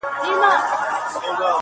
o هغه جنتي حوره ته انسانه دا توپیر دی,